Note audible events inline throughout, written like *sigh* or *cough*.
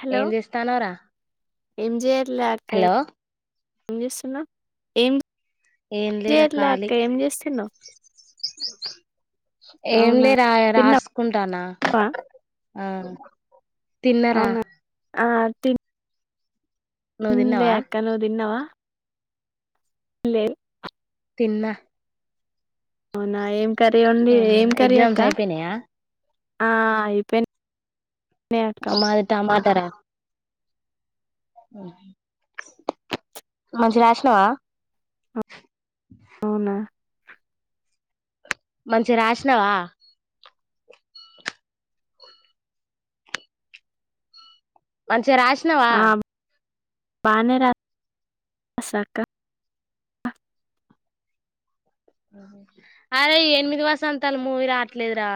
Hello ఏం చేస్తానావు రా ఏం జై లే అక్క ఏ చేస్తున్నా ఏం ఏం లేరా చేయట్లే ఖాళీ అక్క ఏం చేస్తున్నావు ఏం లే రా తిన్నావా రాసుకుంటానా ఆ తిన్నరా. తిన్ నువ్వు మ్ లే తిన్నావా అక్క నూ దిన్నవా? లే తిన్నా. అవునా ఏం కర్రీ ఒండి ఏం కర్రీ అక్క? ఎగ్జామ్స్ అయిపోయినాయా ఆ అయిపెన్ మాది టమాటా రా. మంచిగ రాషినవా? అవునా మంచిగ రాషినవా? మంచి చిగ రాషినవా? ఆ బానే రా సినా అక్క. అరే ఎనిమిది వసంతాలు మూవీ రాట్లేదురా.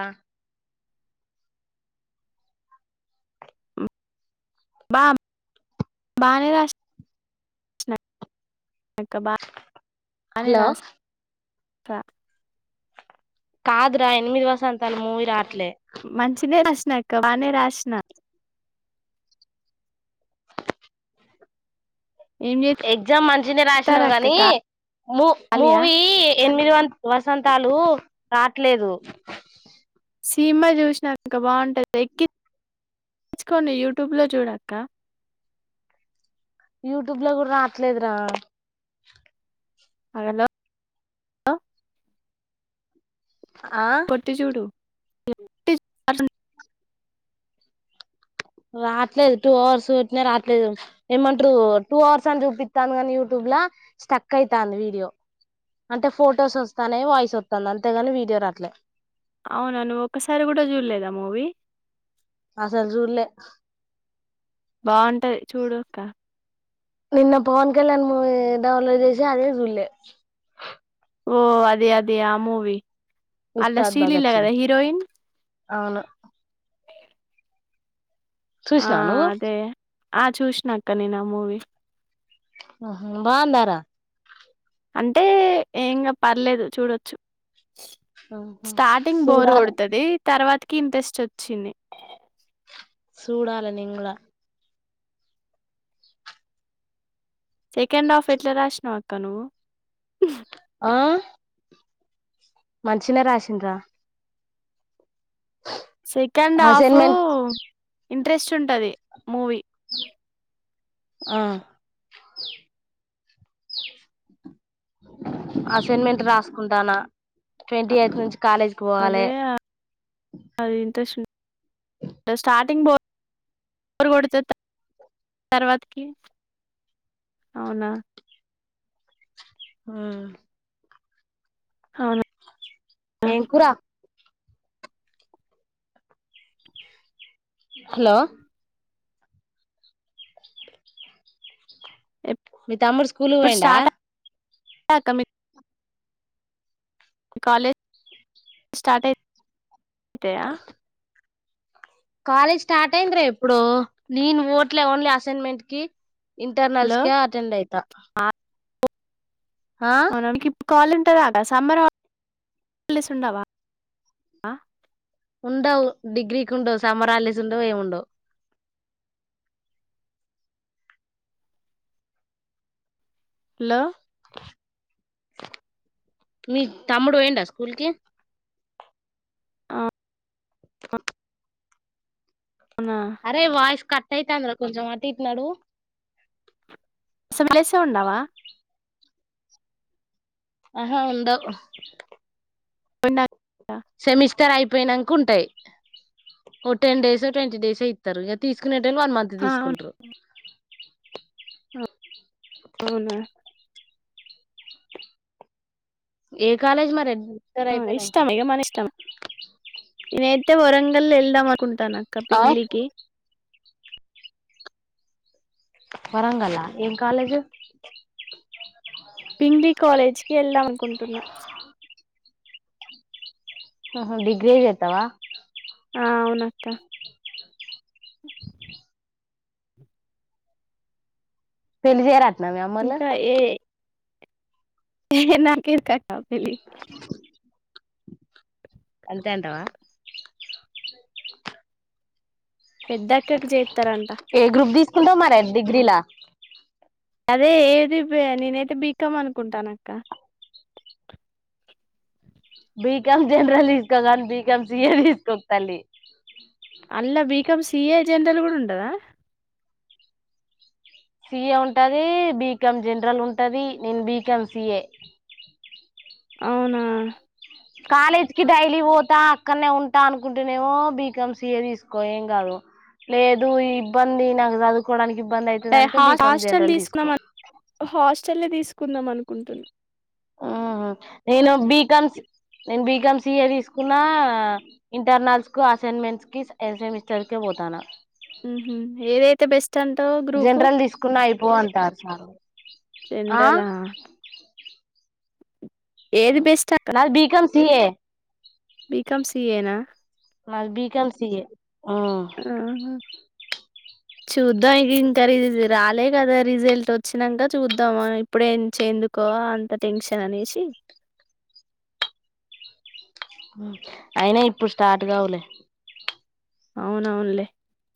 బాం బానే రాసి *inaudible* బానే హలో రాస్ క కాదురా ఎనిమిది వసంతాలు మూవి రాట్లే. మంచినే రాసినా అక్క, బానే రాసిన. ఏం ఎగ్జామ్ మంచినే చేస్తారు రాషినవ్ అక్క గానీ, మూ ఖాళీయా మూవీ ఎనిమిదివన్ వసంతాలూ రాట్లేదు. సీమా చూషినా అక్క బావుంటది. ఎక్కిచ్చుకొని యూట్యూబ్ లో చూడక్క. యూట్యూబ్ లో గుడ రాట్లేదురా. హలో లొ ఆ కొట్టి చూడు. *unintelligible* రాట్లేదు టూ అవర్స్ కొట్టినా రాట్లేదు. ఏమంటరు టూ అవర్స్ అని చూపిత్తాంది కానీ యూట్యూబ్ ల స్టక్ అయితాంది వీడియో, అంటే ఫొటోస్ వస్తానే వాయిస్ వత్తాంది, అంతేగాని వీడియో రాట్లే. అవునా నువ్వు ఒక్కసారి గూడా చూడలేదా మూవీ? అసల్ జూశ్లే. బావుంటది చూడు అక్క. నిన్న పవన్ కళ్యాణ్ మూవీ డౌన్లోడ్ చేసా. అదీ జూశ్లే. ఓ అదే అదే ఆ మూవి. అందల ఉస్తాద్ శ్రీలీల భగత్ సింగ్ కదా హీరోయిన్. అవును ఆ చూసినావా నువ్వు అదే. ఆ చూసినాక్క నేను ఆ మూవీ హ బా అందారా అంటే ఏంకా పర్లేదు చూడొచ్చు ఆహా స్టార్టింగ్ బోరు చూడాలి కొడుతుది తర్వాత కిన్ తెెస్ట్ వచ్చింది సూడాల నింగ్ సెకండ్ హాఫ్ ఎట్లా రాసినావ అక్క నువ్వు ఆ మంచిిన రాసింద్రా సెకండ్ హాఫ్ అసైన్మెంట్ ఇంట్రెస్ట్ ఉంటది మూవీ ఆ అసైన్మెంట్ రాసుకుంటానా ట్వంటీ ఎయిట్ నుంచి కాలేజీకి పోవాలి అదే అది ఇంట్రెస్ట్ ఉ స్టార్టింగ్ బ బ కొ తర్వాతకి అవునా ఆ అవును ఏంకురా హలో మీ తమ్ముడు స్కూల్ పోయిండ క కమి మీ కాలేజ్ స్టార్ట్ అయింద అంతయా కాలేజ్ స్టార్ట్ అయిందిరా ఎప్పుడు నేను ఓట్లే ఓన్లీ అసైన్మెంట్ కి ఇంటర్నల్స్ హలో! క అటెండ్ అయితా ఆ అవుకి ఇప్పు కాలుంటారాగా సమ్మర్ తెలిసి ఉండవా ఉండవు డిగ్రీకి ఉండవు సమ్మర్ హాలీడేస్ ఉండవు ఏము ఉండవు లో మీ తమ్ముడు పోయిండా స్కూల్ కి అవునా! అరే వాష్ కట్ అయితంది కొంచెం అటు ఇటు నడువు అస విలేసం ఉండవా ఆహా ఉందా అన్న సమిస్ ఇస్తారు అయిపోయినాక ఉంటాయి ఓ టెన్ డేస్ ట్వంటీ డేస్ ఇస్తారు ఇక తీసుకునే రె వన్ మంత్ ఆ! అవును. తీసుకుంటారు అవునా! ఏ కాలేజ్ మరె ఇష్టం ఏమన్ ఇష్టం ఈ టే వరంగల్ ఎళ్దామన్ కుంటానక్క ఆ పింగ్లికి వరంగలా ఏం కాలేజు పింగ్లి కాలేజ్కి వెళ్ళాం అనుకుంటున్నా ఆహా డిగ్రీ జెత్తవా ఆహ్ అవునక్క పెళ్లి జేయ రా ఇంకా ఏ నాకు ఎందుకక్క పెళ్ళి అంతే అంటవా పెద్దక్కకి జే ఏ గ్రూప్ ది కిందోమరెన్ డిగ్రీలా అదే ఏది బె నేనైతే బి. కామ్ అనుకుంటానక్క బి. కామ్ జనరల్ తీసుకో గాని బి. Com C. ఎ దీస్కోకు తల్లి. అల్లా బీకామ్ సిఏ జనరల్ గూడ ఉండదా సి. ఎ ఉంటాది బి. కామ్ జనరల్ ఉంటాది నేన్ బి. Com C. ఎ అవునా కాలేజ్ కి డైలీ ఓతా అక్కన్నే ఉంటా అనుకుంటేనేమో బి. కామ్సీసిఏ తీసుకో ఏం గాదు లేదు ఈ ఇబ్బంది నాకు చదువుకోవడానికి ఇ. హా హాస్టల్ దీస్కున్నామన్ హాస్ చెల్లి దీస్కుకుందాం అనుకుంటున్ ఆహ్ హు నేను బి. కామ్సీ నేన్ బి. కామ్సీఏ తీసుకున్నా ఇంటర్నల్స్ కు అసైన్మెంట్స్ కి సెమిస్టర్ కె పోతాన హ్మ్ హు ఏదైతే బెస్ట్ అంటావ్ గ్రూపు జనరల్ తీసుకున్నా అయిపో అంటారు సార్ ఆ జన్రలా ఏది బెస్ట్ అట సి. A B. కామ్సీ ఏనా మల్ బి. Com C. ఎ హ్మ్ ఆహా. చూద్దాం ఇగ ఇంకా ఇది రాలే కదా రిజల్ట్ వచ్చినక చూద్దాం ఆహ్ ఇప్పుడే చెందుకో అంత టెన్షన్ అనేసి. అయినా ఇప్పుడు స్టార్ట్ గావులే అవునవునులే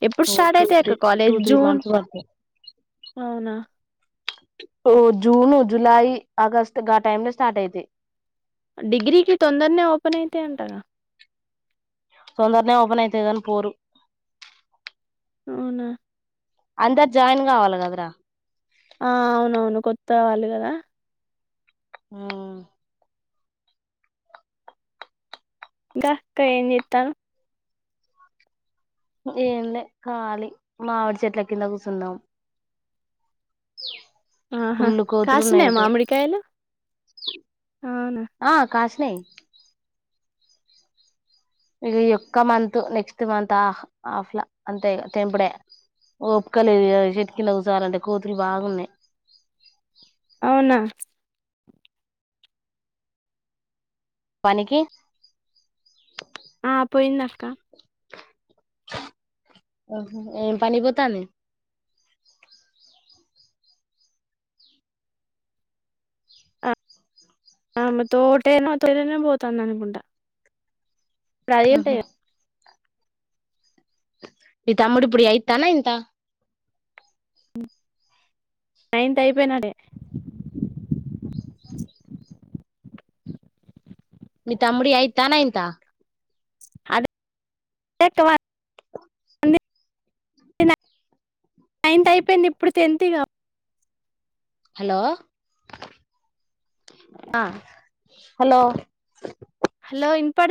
ఎప్పుడు ఒ స్టార్ట్ టూ అయితాయి త్రీ అక్క two college three June months బడతయ్ అవునా జూను జులై ఆగస్ట్ గా టైమ్ లో స్టార్ట్ అయితయ్ డిగ్రీకి తొందర్నే ఓపెన్ అయితయంటగా తొందర్నే ఓపెన్ అయితది గాని పోరు అవునా అందర్ జాయిన్ గావాలి గదరా ఆహ్ అవునవును కొత్త వాళ్ళు గదా హ ఇంకా ఇంకా ఏం చేన్నారు ఏం లే కాలి మావిడి చెట్ల కింద కూర్చుందాం. ఆహా ఫుల్లు కోతులు ఉన్నాయి కాశినయా ఇటు మామిడికాయలు అవునా. ఆ కాసినాయి ఇక ఈ ఒక్క మంత్ నెక్స్ట్ మంత్ ఆఫ్ ఆఫ్లా అంతే తెంపుడే ఉపకలు చెతికి న కూసాలంటే కూతులు బాగున్నాయి. అవునా పనికి ఆ పోయిందక్క హ ఏం పనికి పోతుంది ఆ మ తటేట పోతాన్న అనికుంట. ఇప్పుడు అద ఆహా ని తమ్ముడిపుడి ఎయిట్ హా ననైత్ హ నైన్త్ అయిపోయినాడే. మీ తమ్ముడి ఎయిట్ నైన్త్ *unintelligible* ఎ నైన్త్ అయిపోయింది ఇప్పుడు టెన్త్ కా హలో ఆ హలో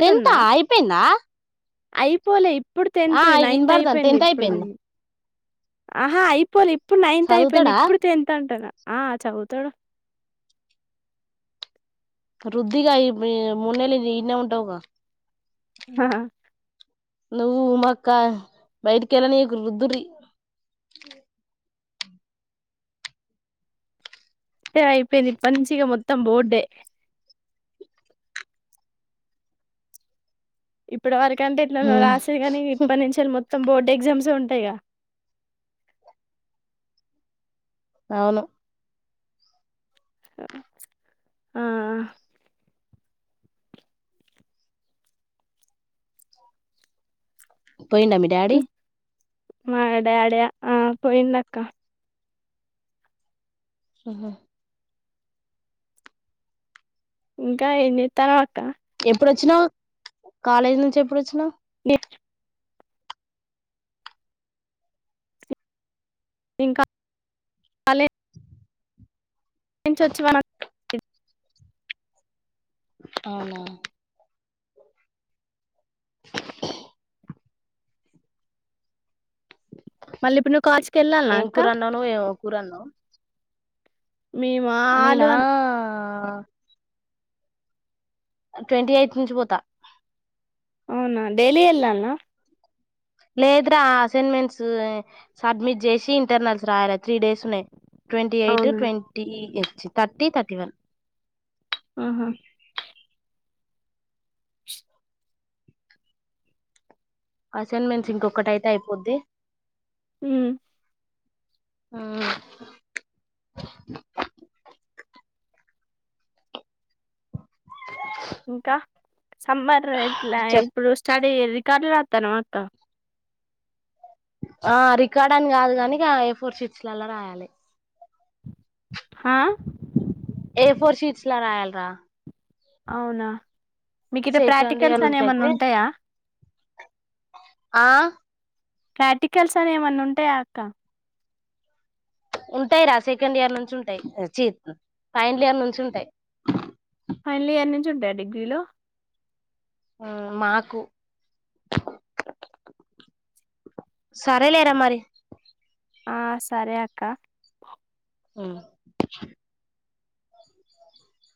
టెన్త అయిపోయిందా. అయిపోలే ఇప్పుడు ఆ టెన్త్ నైన్త్ వినబడతాంది అయిపోయింది టెన్త్ ఇప్పుడే అయిపోయింది ఆహా ఇపోలి ఇ ఇప్పుడు నైన్త్ అయిపోయింది చదువుతాడా ఇప్పుడు టెన్ అంటునా. ఆ చదువుతాడు రుధగాయి మొన్నలు ఎన్న ఉంటవుగా హ నువ్వు మాక్క బయటికెళ్ళని రుదురీ అయిపోయింది ఇప్ప నుంచిగా మొత్తం పత్తంబడే ఇప్పుడు వరకి ఎంటే ఇట్లా ఉమ్ రాసే కానీ ఇప్పటి నుంచి మొత్తం మొత్తం బోర్డు ఎగ్జామ్స్ ఉంటాయిగా అవును ఆ పోయినా మీ డాడీ హ్మ్. మా డాడీ పోయిండుక్కా ఆహా ఇంకా ఎన్ని తర్వాత ఎప్పుడు వచ్చినవ్ కాలేజీ నుంచి ఎప్పుడు వచ్చినవ్ ఇంకా కాలే నుంచి ఒచ్చి మనం చ అవునా మళ్ళీ ఇప్పుడు నువ్వు కాచ్కెళ్ళాలినా అక్క కురనవ్ మేమా ఆలు అన అ ట్వంటీ ఎయిత్ నుంచి పోతా అవునా డైలీ ఎల్ అన్నా లేదురా అసైన్మెంట్స్ సబ్మిట్ చేసి ఇంటర్నల్స్ రాయాల త్రీ డేస్ ఉన్నాయి ట్వంటీ ఎయిట్ అవునా ట్వంటీ చి తర్టీ తర్టీ వన్ ఆహా అసైన్మెంట్స్ ఇంకొకటి అయితే అయిపోద్ది ఊ ఆ ఇంకా సమ్మర్ ఇట్లా చెప్ ఇప్పుడు స్టార్ట్ ఈ రికాడ్లు రాతనవ అత్త ఆ రికార్డ్ అని కాదు కానిక ఏ ఫోర్ షిట్స్ లలా రాయాలి హా ఏ ఫోర్ షీట్స్లా రాయాలరా అవునా మీకు ఇడ సెకండ్ ప్రాక్టికల్స్ ఇయర్ అని నుంచి ఏమన్నా అయితే ఉంటాయా ఆ ప్రార్టికల్స్ అని ఏమన్నా ఉంటాయా అక్క ఉంటాయి రా సెకండ్ ఇయర్ నుంచి ఉంటాయి చీ ఫైనల్ ఇయర్ నుంచి ఉంటాయి ఫైనల్ ఇయర్ నుంచి ఉంటాయా డిగ్రీలో ఆ మాకు సరేలేరా మరి ఆ సరే అక్క ఉ